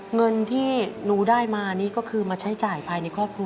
เงินที่หนูได้มานี่ก็คือมาใช้จ่ายภายในครอบครัว